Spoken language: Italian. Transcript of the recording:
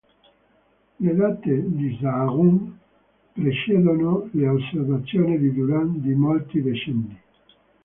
Le date di Sahagún precedono le osservazioni di Durán di molti decenni.